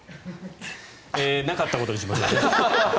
なかったことにします。